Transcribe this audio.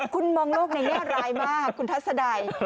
คุณมองโลกในนี้ร้ายมากคุณทัศน์ใด